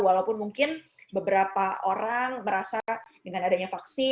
walaupun mungkin beberapa orang merasa dengan adanya vaksin